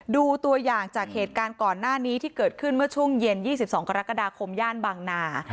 ดูตัวอย่างจากเหตุการณ์ก่อนหน้านี้ที่เกิดขึ้นเมื่อช่วงเย็น๒๒กรกฎาคมย่านบางนา